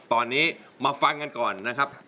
ตอนนี้มาฟังกันก่อนนะครับ